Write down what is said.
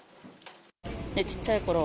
ちっちゃいころ、